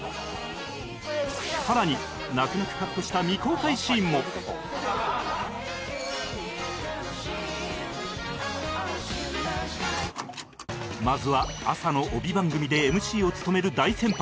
更に泣く泣くカットしたまずは朝の帯番組で ＭＣ を務める大先輩